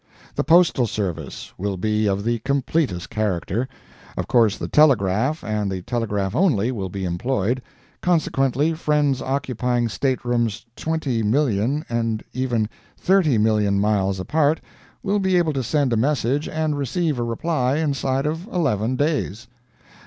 THE POSTAL SERVICE will be of the completest character. Of course the telegraph, and the telegraph only, will be employed; consequently friends occupying state rooms 20,000,000 and even 30,000,000 miles apart will be able to send a message and receive a reply inside of eleven days.